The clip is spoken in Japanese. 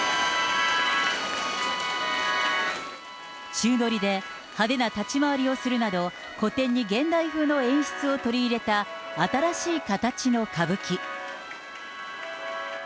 宙乗りで派手な立ち回りをするなど、古典に現代風の演出を取り入れた新しい形の歌舞伎。